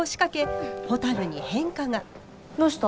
どうした？